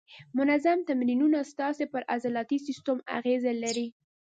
منظم تمرینونه ستاسې پر عضلاتي سیستم اغېزه لري.